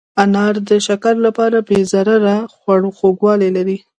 انار د شکر لپاره بې ضرره خوږوالی لري.